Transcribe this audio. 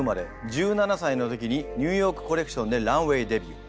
１７歳の時にニューヨークコレクションでランウェイデビュー。